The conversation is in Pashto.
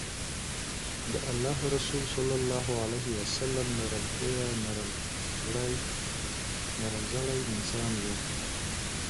د الله رسول صلی الله عليه وسلّم نرم خويه، نرم زړی انسان وو